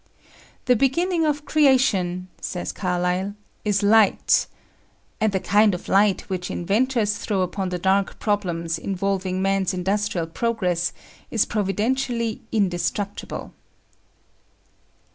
"The beginning of creation," says Carlyle, "is light," and the kind of light which inventors throw upon the dark problems involving man's industrial progress is providentially indestructible.